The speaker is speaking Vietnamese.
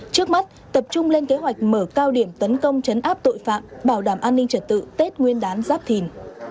trước mắt tập trung lên kế hoạch mở cao điểm tấn công chấn áp tội phạm bảo đảm an ninh trật tự tết nguyên đán giáp thìn